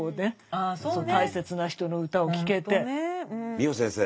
美穂先生